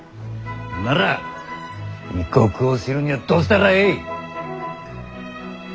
なら異国を知るにはどうしたらえい？